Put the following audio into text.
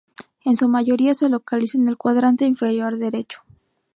En su mayoría, se localiza en el cuadrante inferior derecho.